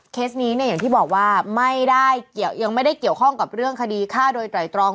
เคสนี้เนี่ยอย่างที่บอกว่ายังไม่ได้เกี่ยวข้องกับเรื่องคดีฆ่าโดยตรายตรอง